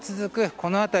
この辺り。